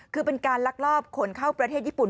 คือเป็นการลักลอบขนเข้าประเทศญี่ปุ่น